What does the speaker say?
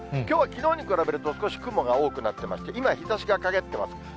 きょうはきのうに比べると少し雲が多くなってまして、今、日ざしが陰ってます。